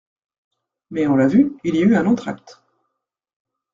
Mais, on l'a vu, il y eut un entr'acte.